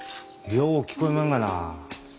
よう聞こえまんがな。